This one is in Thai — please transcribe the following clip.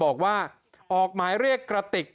ออกหมายเรียกกระติก